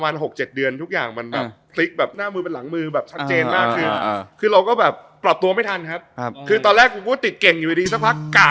เงียบเงียบเกรี๊บ